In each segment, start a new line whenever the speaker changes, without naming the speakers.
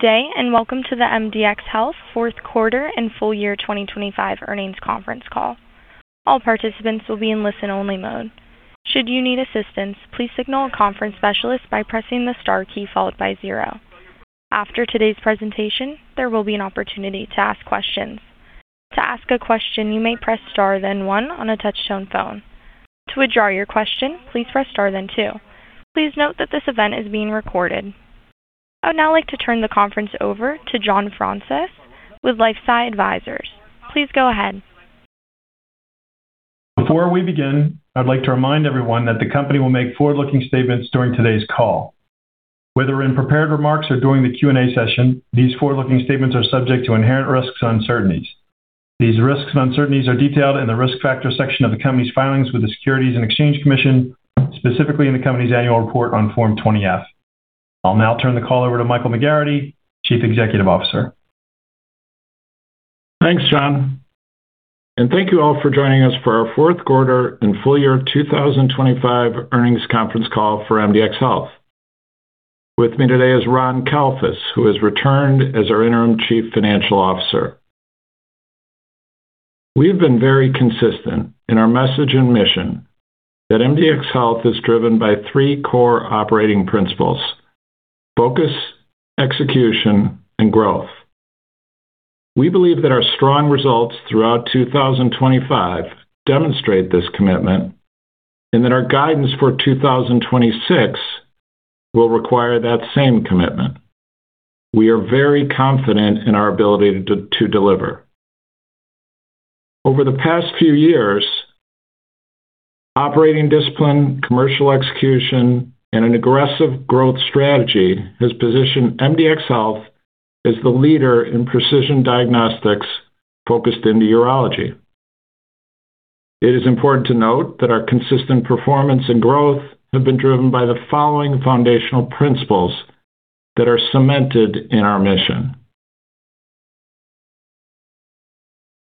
Good day, welcome to the MDxHealth fourth quarter and full year 2025 earnings conference call. All participants will be in listen-only mode. Should you need assistance, please signal a conference specialist by pressing the star key followed by zero. After today's presentation, there will be an opportunity to ask questions. To ask a question, you may press star then one on a touchtone phone. To withdraw your question, please press star then two. Please note that this event is being recorded. I would now like to turn the conference over to John Fraunces with LifeSci Advisors. Please go ahead.
Before we begin, I'd like to remind everyone that the company will make forward-looking statements during today's call. Whether in prepared remarks or during the Q&A session, these forward-looking statements are subject to inherent risks and uncertainties. These risks and uncertainties are detailed in the Risk Factors section of the company's filings with the Securities and Exchange Commission, specifically in the company's annual report on Form 20-F. I'll now turn the call over to Michael McGarrity, Chief Executive Officer.
Thanks, John. Thank you all for joining us for our fourth quarter and full year 2025 earnings conference call for MDxHealth. With me today is Ron Kalfus, who has returned as our interim Chief Financial Officer. We have been very consistent in our message and mission that MDxHealth is driven by three core operating principles: focus, execution, and growth. We believe that our strong results throughout 2025 demonstrate this commitment and that our guidance for 2026 will require that same commitment. We are very confident in our ability to deliver. Over the past few years, operating discipline, commercial execution, and an aggressive growth strategy has positioned MDxHealth as the leader in precision diagnostics focused in urology. It is important to note that our consistent performance and growth have been driven by the following foundational principles that are cemented in our mission.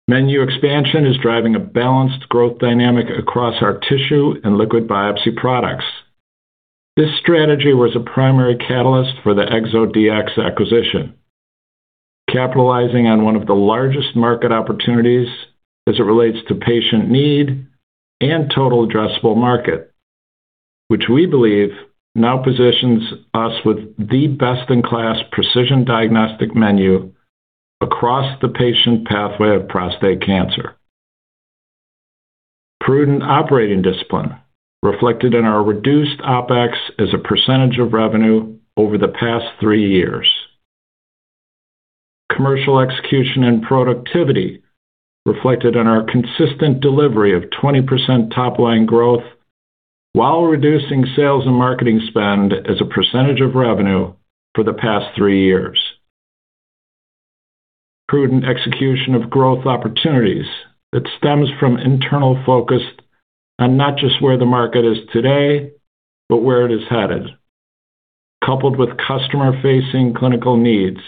Menu expansion is driving a balanced growth dynamic across our tissue and liquid biopsy products. This strategy was a primary catalyst for the ExoDx acquisition, capitalizing on one of the largest market opportunities as it relates to patient need and total addressable market, which we believe now positions us with the best-in-class precision diagnostic menu across the patient pathway of prostate cancer. Prudent operating discipline, reflected in our reduced OpEx as a percentage of revenue over the past three years. Commercial execution and productivity, reflected in our consistent delivery of 20% top-line growth while reducing sales and marketing spend as a percentage of revenue for the past three years. Prudent execution of growth opportunities that stems from internal focus on not just where the market is today, but where it is headed, coupled with customer-facing clinical needs,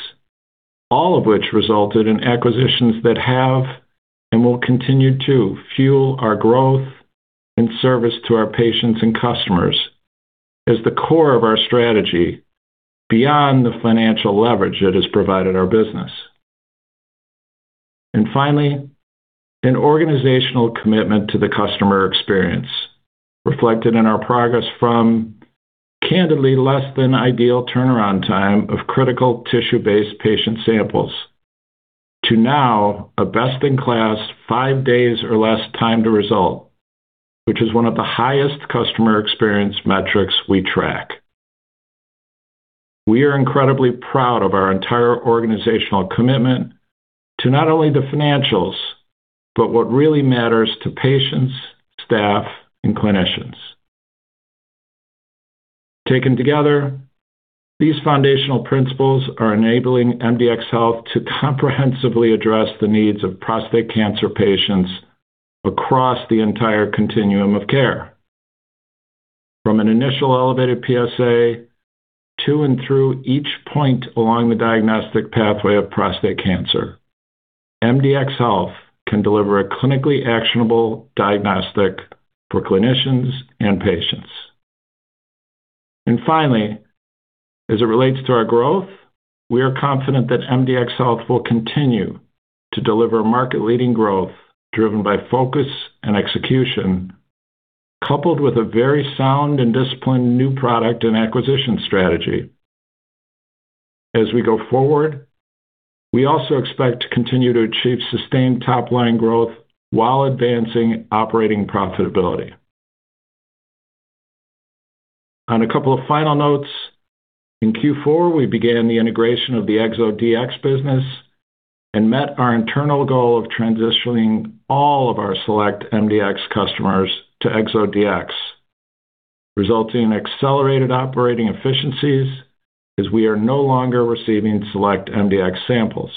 all of which resulted in acquisitions that have and will continue to fuel our growth and service to our patients and customers as the core of our strategy beyond the financial leverage it has provided our business. Finally, an organizational commitment to the customer experience, reflected in our progress from candidly less than ideal turnaround time of critical tissue-based patient samples to now a best-in-class five days or less time to result, which is one of the highest customer experience metrics we track. We are incredibly proud of our entire organizational commitment to not only the financials, but what really matters to patients, staff, and clinicians. Taken together, these foundational principles are enabling MDxHealth to comprehensively address the needs of prostate cancer patients across the entire continuum of care. From an initial elevated PSA to and through each point along the diagnostic pathway of prostate cancer, MDxHealth can deliver a clinically actionable diagnostic for clinicians and patients. Finally, as it relates to our growth, we are confident that MDxHealth will continue to deliver market-leading growth driven by focus and execution, coupled with a very sound and disciplined new product and acquisition strategy. As we go forward, we also expect to continue to achieve sustained top-line growth while advancing operating profitability. On a couple of final notes, in Q4, we began the integration of the ExoDx business and met our internal goal of transitioning all of our Select mdx customers to ExoDx, resulting in accelerated operating efficiencies as we are no longer receiving Select mdx samples.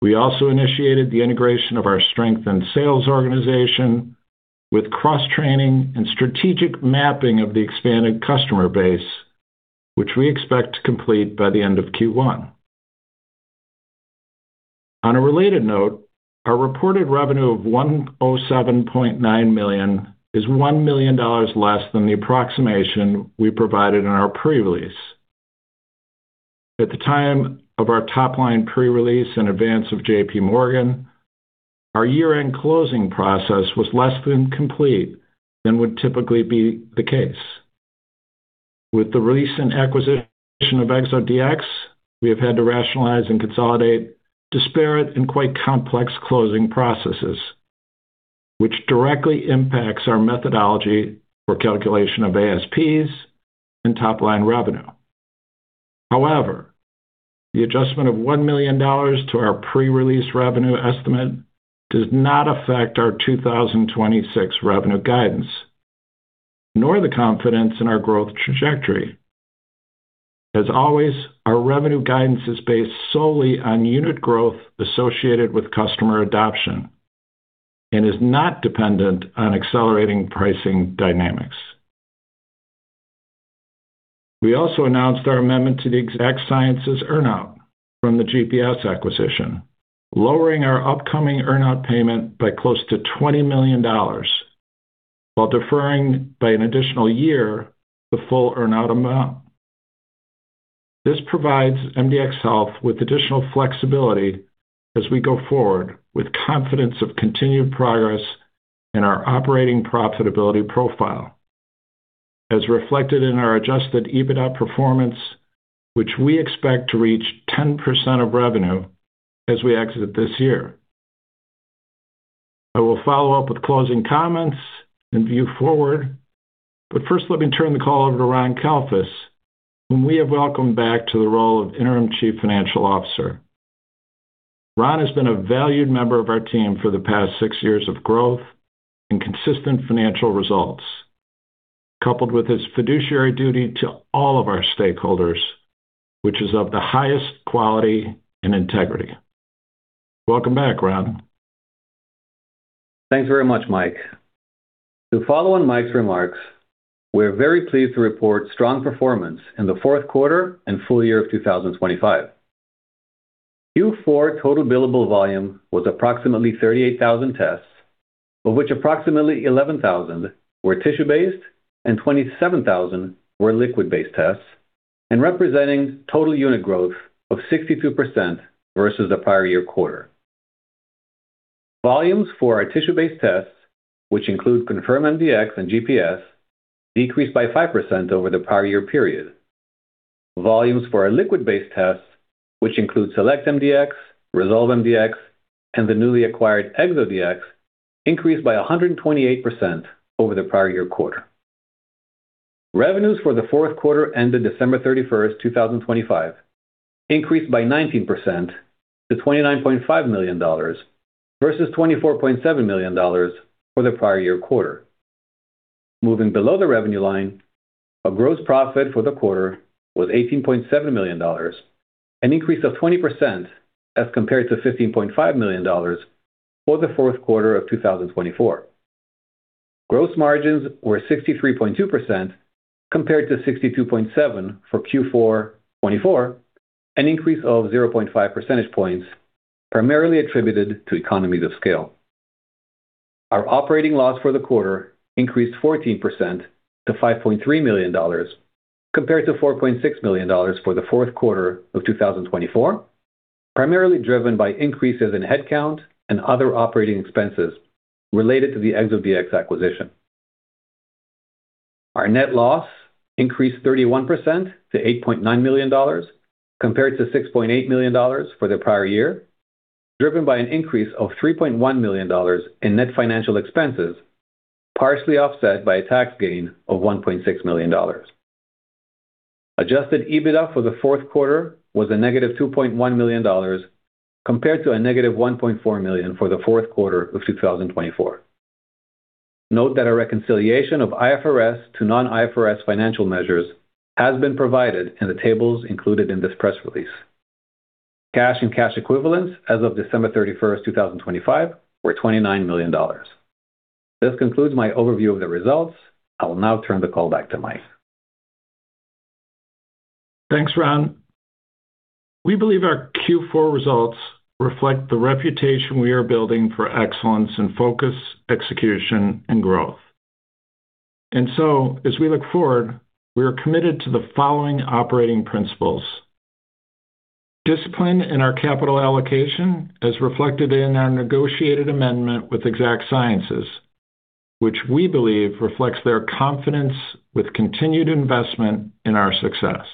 We also initiated the integration of our strengthened sales organization with cross-training and strategic mapping of the expanded customer base, which we expect to complete by the end of Q1. On a related note, our reported revenue of $107.9 million is $1 million less than the approximation we provided in our pre-release. At the time of our top line pre-release in advance of J.P. Morgan, our year-end closing process was less than complete than would typically be the case. With the recent acquisition of ExoDx, we have had to rationalize and consolidate disparate and quite complex closing processes, which directly impacts our methodology for calculation of ASPs and top-line revenue. However, the adjustment of $1 million to our pre-release revenue estimate does not affect our 2026 revenue guidance, nor the confidence in our growth trajectory. As always, our revenue guidance is based solely on unit growth associated with customer adoption and is not dependent on accelerating pricing dynamics. We also announced our amendment to the Exact Sciences earn-out from the GPS acquisition, lowering our upcoming earn-out payment by close to $20 million, while deferring by an additional year the full earn-out amount. This provides MDxHealth with additional flexibility as we go forward with confidence of continued progress in our operating profitability profile, as reflected in our adjusted EBITDA performance, which we expect to reach 10% of revenue as we exit this year. First, let me turn the call over to Ron Kalfus, whom we have welcomed back to the role of Interim Chief Financial Officer. Ron has been a valued member of our team for the past six years of growth and consistent financial results, coupled with his fiduciary duty to all of our stakeholders, which is of the highest quality and integrity. Welcome back, Ron.
Thanks very much, Mike. To follow on Mike's remarks, we are very pleased to report strong performance in the fourth quarter and full year of 2025. Q4 total billable volume was approximately 38,000 tests, of which approximately 11,000 were tissue-based and 27,000 were liquid-based tests, and representing total unit growth of 62% versus the prior year quarter. Volumes for our tissue-based tests, which include Confirm mdx and GPS, decreased by 5% over the prior year period. Volumes for our liquid-based tests, which include Select mdx, Resolve mdx, and the newly acquired ExoDx, increased by 128% over the prior year quarter. Revenues for the fourth quarter ended December 31st, 2025, increased by 19% to $29.5 million, versus $24.7 million for the prior year quarter. Moving below the revenue line, our gross profit for the quarter was $18.7 million, an increase of 20% as compared to $15.5 million for the fourth quarter of 2024. Gross margins were 63.2%, compared to 62.7% for Q4 2024, an increase of 0.5 percentage points, primarily attributed to economies of scale. Our operating loss for the quarter increased 14% to $5.3 million, compared to $4.6 million for the fourth quarter of 2024, primarily driven by increases in headcount and other operating expenses related to the ExoDx acquisition. Our net loss increased 31% to $8.9 million, compared to $6.8 million for the prior year, driven by an increase of $3.1 million in net financial expenses, partially offset by a tax gain of $1.6 million. Adjusted EBITDA for the fourth quarter was -$2.1 million, compared to -$1.4 million for the fourth quarter of 2024. Note that our reconciliation of IFRS to non-IFRS financial measures has been provided in the tables included in this press release. Cash and cash equivalents as of December 31st, 2025, were $29 million. This concludes my overview of the results. I will now turn the call back to Mike.
Thanks, Ron. We believe our Q4 results reflect the reputation we are building for excellence in focus, execution, and growth. As we look forward, we are committed to the following operating principles: Discipline in our capital allocation, as reflected in our negotiated amendment with Exact Sciences, which we believe reflects their confidence with continued investment in our success.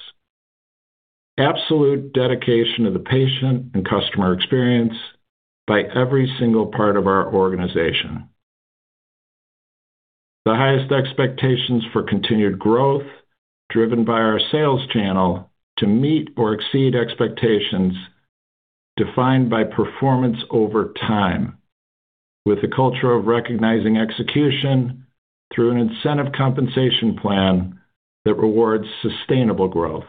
Absolute dedication to the patient and customer experience by every single part of our organization. The highest expectations for continued growth, driven by our sales channel to meet or exceed expectations defined by performance over time, with a culture of recognizing execution through an incentive compensation plan that rewards sustainable growth.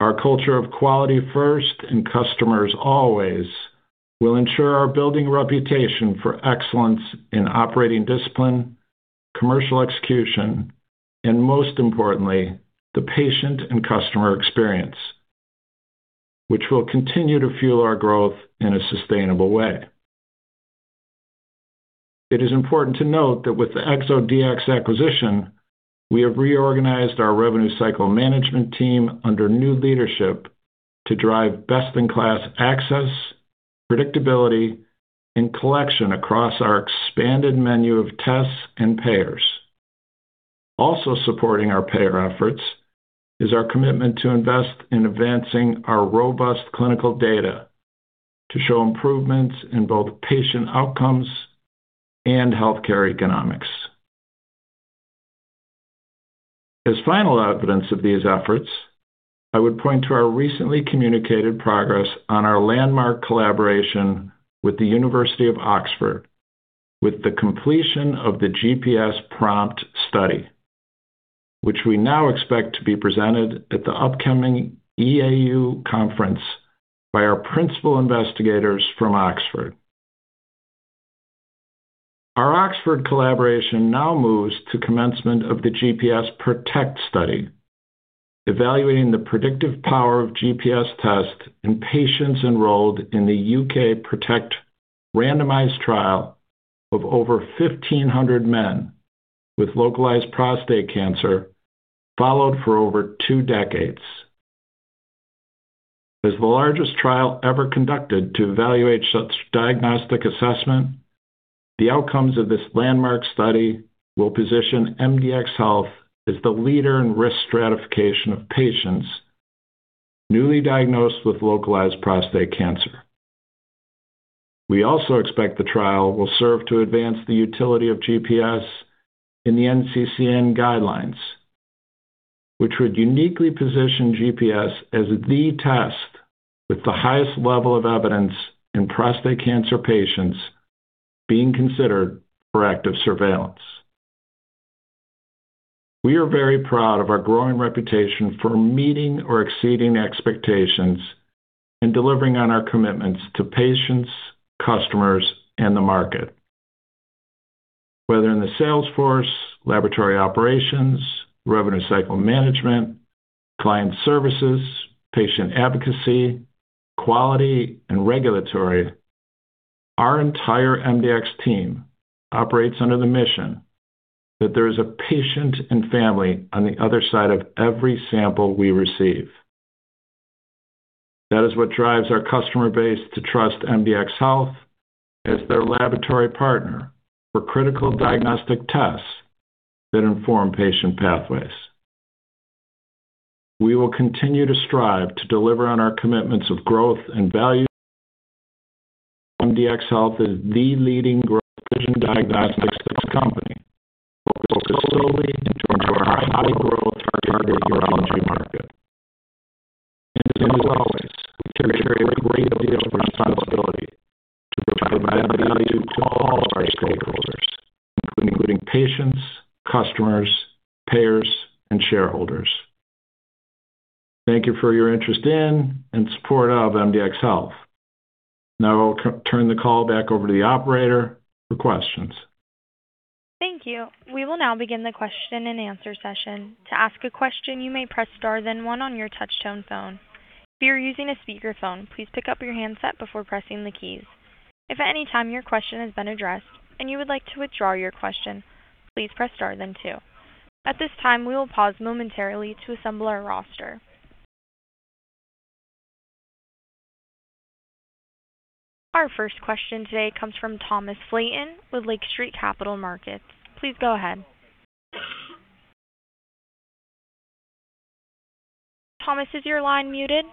Our culture of quality first and customers always will ensure our building reputation for excellence in commercial execution, and most importantly, the patient and customer experience, which will continue to fuel our growth in a sustainable way. It is important to note that with the ExoDx acquisition, we have reorganized our revenue cycle management team under new leadership to drive best-in-class access, predictability, and collection across our expanded menu of tests and payers. Supporting our payer efforts is our commitment to invest in advancing our robust clinical data to show improvements in both patient outcomes and healthcare economics. As final evidence of these efforts, I would point to our recently communicated progress on our landmark collaboration with the University of Oxford, with the completion of the GPS ProMPT study, which we now expect to be presented at the upcoming EAU Congress by our Principal investigators from Oxford. Our Oxford collaboration now moves to commencement of the GPS-ProtecT study, evaluating the predictive power of GPS test in patients enrolled in the U.K. ProtecT randomized trial of over 1,500 men with localized prostate cancer, followed for over two decades. As the largest trial ever conducted to evaluate such diagnostic assessment, the outcomes of this landmark study will position MDxHealth as the leader in risk stratification of patients newly diagnosed with localized prostate cancer. We also expect the trial will serve to advance the utility of GPS in the NCCN guidelines, which would uniquely position GPS as the test with the highest level of evidence in prostate cancer patients being considered for active surveillance. We are very proud of our growing reputation for meeting or exceeding expectations and delivering on our commitments to patients, customers, and the market. Whether in the sales force, laboratory operations, revenue cycle management, client services, patient advocacy, quality, and regulatory, our entire MDx team operates under the mission that there is a patient and family on the other side of every sample we receive. That is what drives our customer base to trust MDxHealth as their laboratory partner for critical diagnostic tests that inform patient pathways. We will continue to strive to deliver on our commitments of growth and value. MDxHealth is the leading growth vision diagnostics company focused solely into our high-growth targeted urology market. As always, we carry a great deal of responsibility to provide value to all of our stakeholders, including patients, customers, payers, and shareholders. Thank you for your interest in and support of MDxHealth. Now I will turn the call back over to the operator for questions.
Thank you. We will now begin the question-and-answer session. To ask a question, you may press star then one on your touchtone phone. If you are using a speakerphone, please pick up your handset before pressing the keys. If at any time your question has been addressed and you would like to withdraw your question, please press star then two. At this time, we will pause momentarily to assemble our roster. Our first question today comes from Thomas Flaten with Lake Street Capital Markets. Please go ahead. Thomas, is your line muted?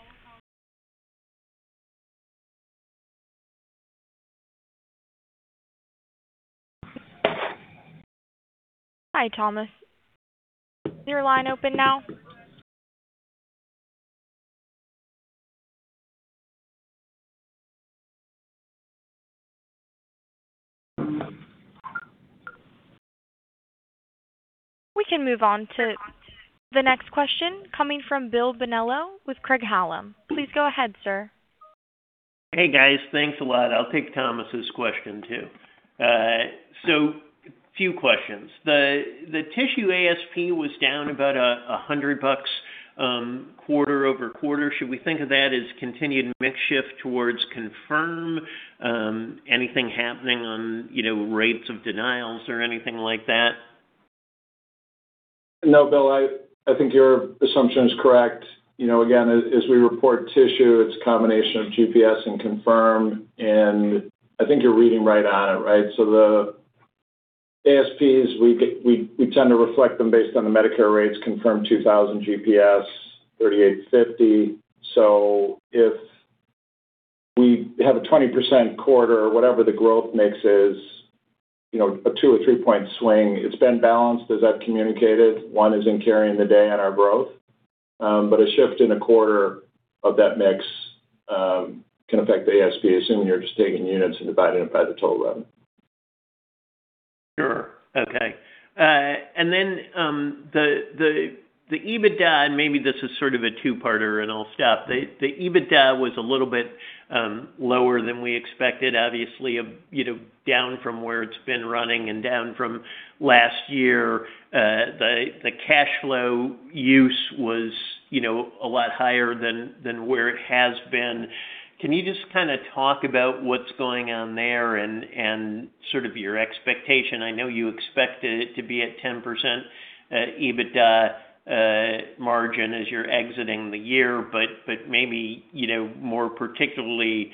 Hi, Thomas. Is your line open now? We can move on to the next question coming from Bill Bonello with Craig-Hallum. Please go ahead, sir.
Hey, guys. Thanks a lot. I'll take Thomas's question, too. Few questions. The tissue ASP was down about $100 quarter-over-quarter. Should we think of that as continued mix shift towards Confirm? Anything happening on, you know, rates of denials or anything like that?
No, Bill, I think your assumption is correct. You know, again, as we report tissue, it's a combination of GPS and Confirm, and I think you're reading right on it, right? The ASPs we get, we tend to reflect them based on the Medicare rates, Confirm $2,000, GPS $3,850. If we have a 20% quarter, whatever the growth mix is, you know, a two or three-point swing, it's been balanced as I've communicated. One isn't carrying the day on our growth, but a shift in a quarter of that mix can affect the ASP, assuming you're just taking units and dividing it by the total revenue.
Sure. Okay. EBITDA, and maybe this is sort of a two-parter, and I'll stop. EBITDA was a little bit lower than we expected, obviously, you know, down from where it's been running and down from last year. Cash flow use was, you know, a lot higher than where it has been. Can you just kinda talk about what's going on there and sort of your expectation? I know you expect it to be at 10% EBITDA margin as you're exiting the year, but maybe, you know, more particularly,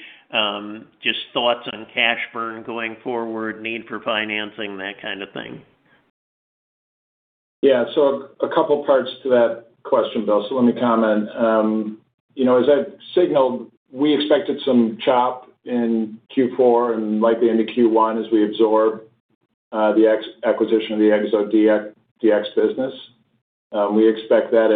just thoughts on cash burn going forward, need for financing, that kind of thing.
Yeah. A couple parts to that question, Bill Bonello, so let me comment. You know, as I signaled, we expected some chop in Q4 and likely into Q1 as we absorb the acquisition of the ExoDx business. We expect that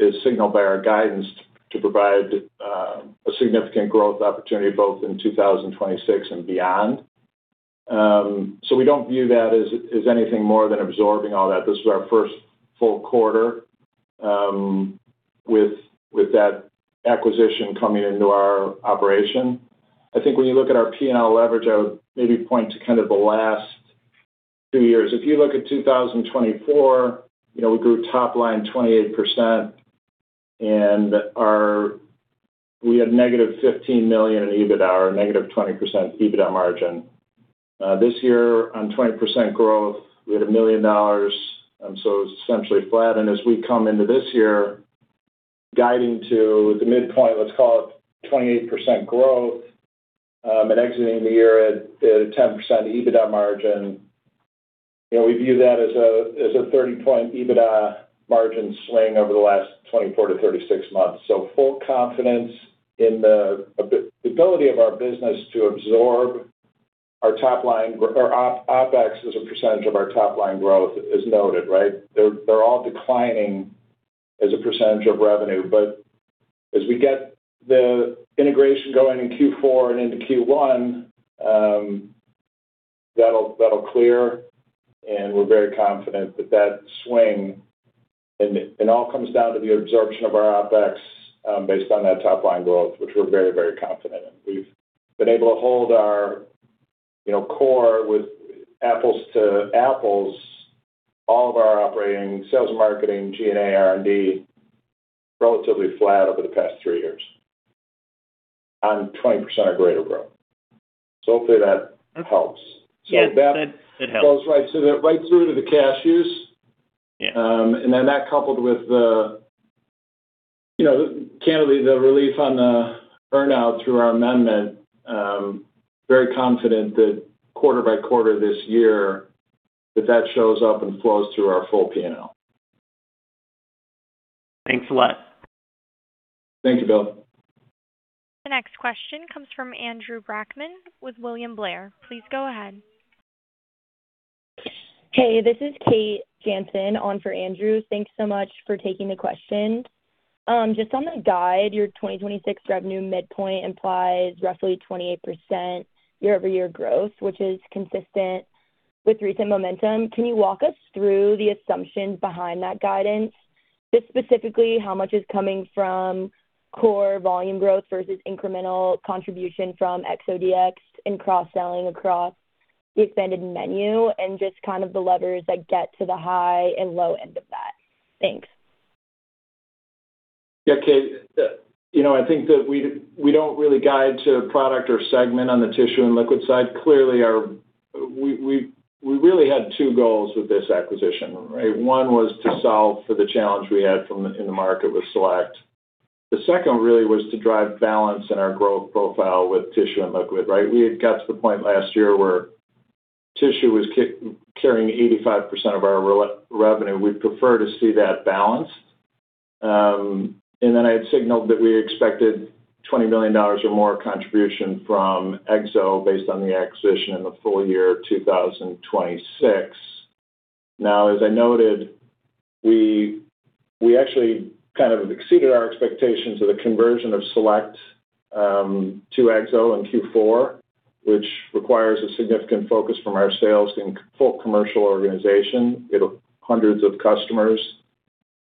as signaled by our guidance, to provide a significant growth opportunity both in 2026 and beyond. We don't view that as anything more than absorbing all that. This is our first full quarter with that acquisition coming into our operation. I think when you look at our P&L leverage, I would maybe point to kind of the last two years. If you look at 2024, you know, we grew top line 28%, We had negative $15 million in EBITDA, or -20% EBITDA margin. This year, on 20% growth, we had $1 million. It's essentially flat. As we come into this year, guiding to the midpoint, let's call it 28% growth, and exiting the year at a 10% EBITDA margin, you know, we view that as a 30-point EBITDA margin swing over the last 24-36 months. Full confidence in the ability of our business to absorb our top line. OpEx as a percentage of our top line growth is noted, right? They're all declining as a percentage of revenue. As we get the integration going in Q4 and into Q1, that'll clear, and we're very confident that that swing. It all comes down to the absorption of our OpEx, based on that top line growth, which we're very, very confident in. We've been able to hold our, you know, core with apples to apples, all of our operating sales and marketing, G&A, R&D, relatively flat over the past three years on 20% or greater growth. Hopefully that helps.
Yeah, that, it helps.
It flows right through to the cash use.
Yeah.
Then that coupled with the, you know, candidly, the relief on the burnout through our amendment, very confident that quarter by quarter this year, that that shows up and flows through our full P&L.
Thanks a lot.
Thank you, Bill.
The next question comes from Andrew Brackmann with William Blair. Please go ahead.
Hey, this is Kate Janson on for Andrew. Thanks so much for taking the question. Just on the guide, your 2026 revenue midpoint implies roughly 28% year-over-year growth, which is consistent with recent momentum. Can you walk us through the assumptions behind that guidance? Just specifically, how much is coming from core volume growth versus incremental contribution from ExoDx and cross-selling across the expanded menu, and just kind of the levers that get to the high and low end of that? Thanks.
Yeah, Kate. You know, I think that we don't really guide to product or segment on the tissue and liquid side. Clearly, we really had two goals with this acquisition, right? One was to solve for the challenge we had in the market with Select. The second really was to drive balance in our growth profile with tissue and liquid, right? We had got to the point last year where tissue was carrying 85% of our revenue. We'd prefer to see that balance. I had signaled that we expected $20 million or more contribution from Exo based on the acquisition in the full year of 2026. As I noted, we actually kind of exceeded our expectations of the conversion of Select to Exo in Q4, which requires a significant focus from our sales and full commercial organization. Hundreds of customers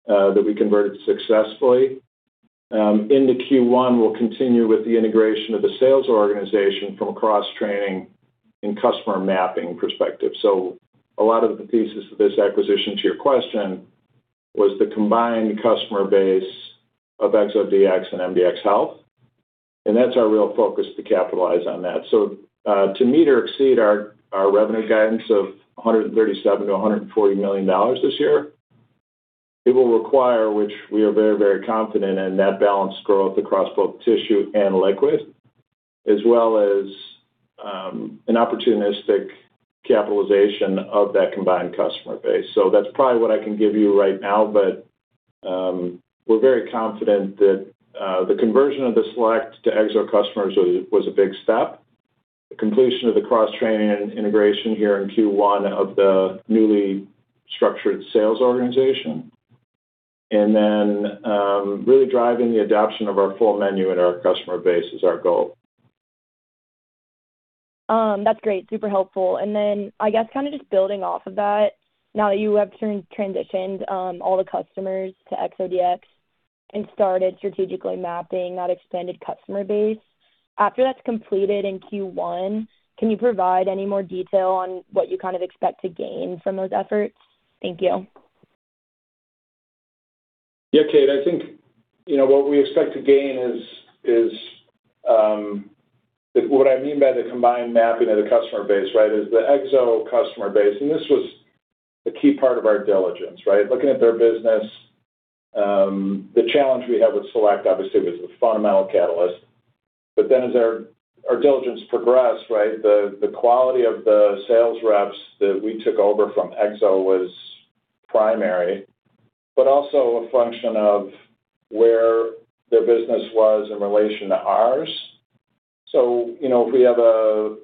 that we converted successfully. Into Q1, we'll continue with the integration of the sales organization from a cross-training and customer mapping perspective. A lot of the pieces of this acquisition, to your question, was the combined customer base of ExoDx and MDxHealth, and that's our real focus to capitalize on that. To meet or exceed our revenue guidance of $137 million-$140 million this year, it will require, which we are very, very confident in, that balanced growth across both tissue and liquid, as well as an opportunistic capitalization of that combined customer base. That's probably what I can give you right now, but, we're very confident that, the conversion of the Select to Exo customers was a big step. The completion of the cross-training and integration here in Q1 of the newly structured sales organization, and then, really driving the adoption of our full menu in our customer base is our goal.
That's great. Super helpful. I guess kind of just building off of that, now that you have transitioned all the customers to ExoDx and started strategically mapping that expanded customer base. After that's completed in Q1, can you provide any more detail on what you kind of expect to gain from those efforts? Thank you.
Yeah, Kate, I think, you know, what we expect to gain is, what I mean by the combined mapping of the customer base, right, is the ExoDx customer base. This was a key part of our diligence, right? Looking at their business. The challenge we had with Select mdx obviously was the fundamental catalyst. As our diligence progressed, right, the quality of the sales reps that we took over from ExoDx was primary, but also a function of where their business was in relation to ours. You know, if we have a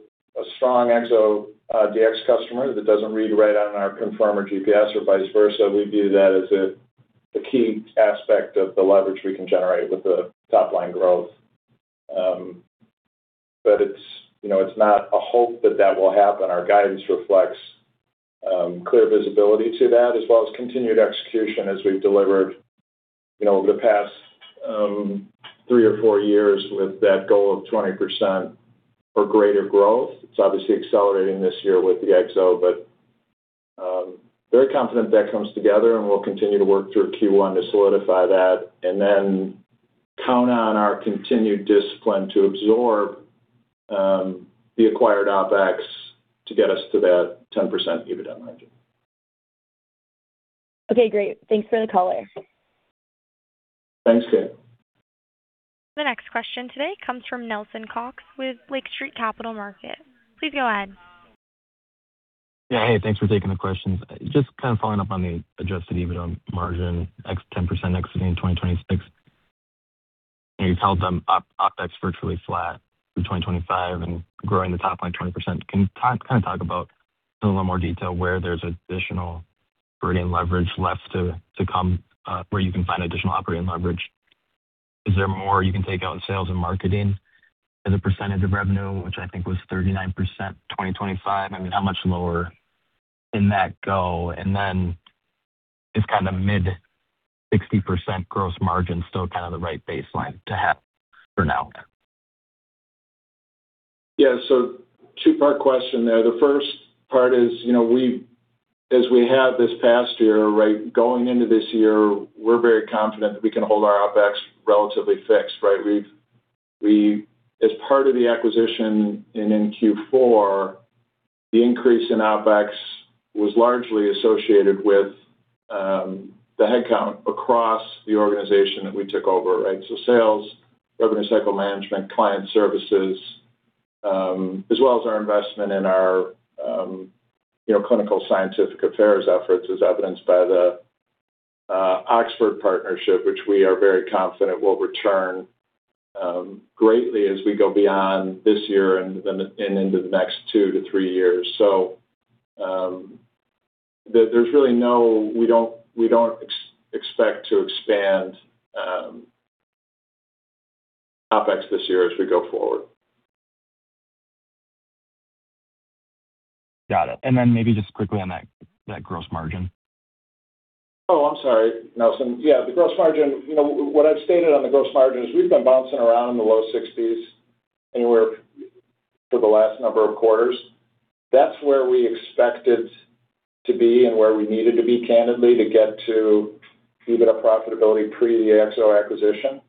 strong ExoDx DX customer that doesn't read right on our Confirm mdx GPS or vice versa, we view that as a key aspect of the leverage we can generate with the top line growth. It's, you know, it's not a hope that that will happen. Our guidance reflects clear visibility to that, as well as continued execution as we've delivered, you know, over the past three or four years with that goal of 20% or greater growth. It's obviously accelerating this year with the XO, but very confident that comes together, and we'll continue to work through Q1 to solidify that and then count on our continued discipline to absorb the acquired OpEx to get us to that 10% EBITDA margin.
Okay, great. Thanks for the color.
Thanks, Kate.
The next question today comes from Nelson Cox with Lake Street Capital Markets. Please go ahead.
Yeah, hey, thanks for taking the questions. Just kind of following up on the adjusted EBITDA margin, ex 10%, ex in 2026. You've held them up OpEx virtually flat through 2025 and growing the top line 20%. Can you kind of talk about in a little more detail, where there's additional operating leverage left to come, where you can find additional operating leverage? Is there more you can take out in sales and marketing as a percentage of revenue, which I think was 39%, 2025? I mean, how much lower can that go? Then is kind of mid-60% gross margin still kind of the right baseline to have for now?
Yeah. Two-part question there. The first part is, as we have this past year, right? Going into this year, we're very confident that we can hold our OpEx relatively fixed, right? As part of the acquisition and in Q4, the increase in OpEx was largely associated with the headcount across the organization that we took over, right? Sales, revenue cycle management, client services, as well as our investment in our clinical scientific affairs efforts, as evidenced by the University of Oxford partnership, which we are very confident will return greatly as we go beyond this year and into the next two to three years. There's really no. We don't expect to expand OpEx this year as we go forward.
Got it, and then maybe just quickly on that gross margin.
Oh, I'm sorry, Nelson. Yeah, the gross margin, you know, what I've stated on the gross margin is we've been bouncing around in the low 60s anywhere for the last number of quarters. That's where we expected to be and where we needed to be, candidly, to get to EBITDA profitability pre the ExoDx acquisition.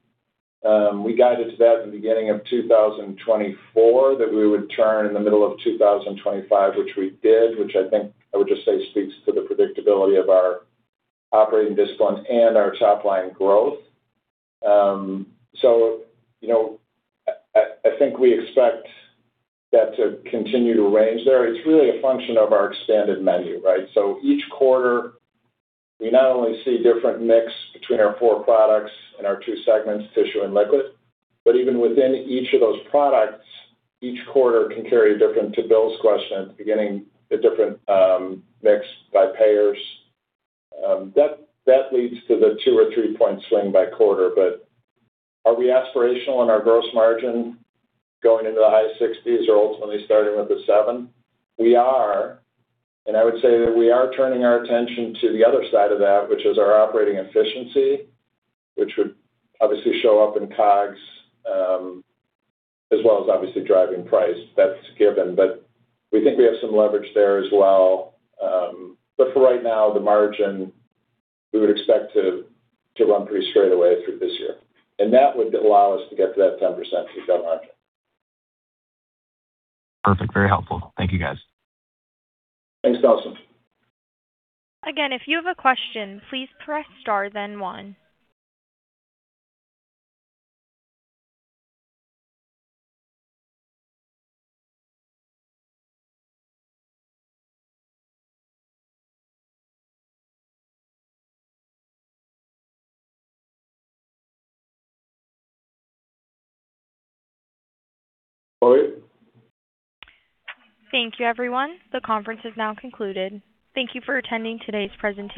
We guided to that in the beginning of 2024, that we would turn in the middle of 2025, which we did, which I think I would just say speaks to the predictability of our operating discipline and our top line growth. You know, I think we expect that to continue to range there. It's really a function of our expanded menu, right? Each quarter, we not only see different mix between our four products and our two segments, tissue and liquid, but even within each of those products, each quarter can carry a different, to Bill's question, beginning a different mix by payers. That leads to the two or three point swing by quarter. Are we aspirational in our gross margin going into the high 60s or ultimately starting with the seven? We are, and I would say that we are turning our attention to the other side of that, which is our operating efficiency, which would obviously show up in COGS, as well as obviously driving price. That's given, we think we have some leverage there as well. For right now, the margin, we would expect to run pretty straight away through this year, and that would allow us to get to that 10% EBITDA margin.
Perfect. Very helpful. Thank you, guys.
Thanks, Nelson.
Again, if you have a question, please press star, then one.
All right.
Thank you, everyone. The conference is now concluded. Thank you for attending today's presentation.